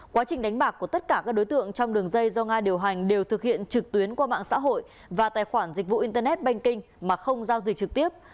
quá trình đánh bạc của tất cả các đối tượng trong đường dây do nga điều hành đều thực hiện trực tuyến qua mạng xã hội và tài khoản dịch vụ internet banking mà không giao dịch trực tiếp